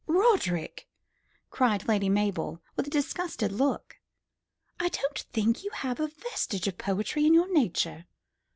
"Roderick!" cried Lady Mabel, with a disgusted look. "I don't think you have a vestige of poetry in your nature."